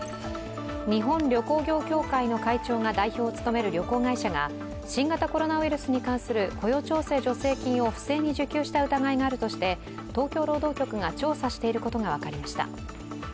日本旅行業協会の会長が代表を務める旅行会社が新型コロナウイルスに関する雇用調整助成金を不正に受給した疑いがあるとして東京労働局が調査していることが分かりました。